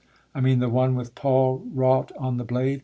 I mean the one with Paul wrought on the blade?